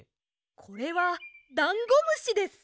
これはダンゴムシです。